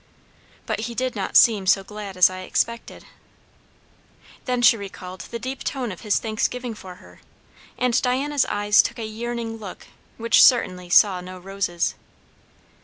"But he did not seem so glad as I expected!" Then she recalled the deep tone of his thanksgiving for her, and Diana's eyes took a yearning look which certainly saw no roses.